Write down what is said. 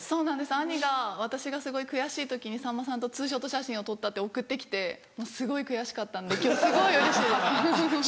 兄が私がすごい悔しい時に「さんまさんとツーショット写真を撮った」って送って来てすごい悔しかったんで今日すごいうれしいです。